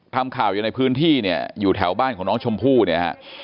ทำข่าวอยู่ในพื้นที่เนี่ยอยู่แถวบ้านของน้องชมพู่เนี่ยฮะ